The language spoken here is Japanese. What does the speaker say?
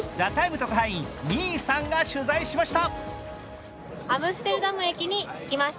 特派員、Ｍｅｅさんが取材しました。